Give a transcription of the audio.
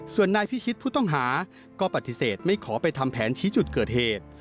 ส่วนนายพิชิตผู้ต้องหาก็ปฏิเสธไม่ขอไปทำแผนชี้จุดเกิดเหตุ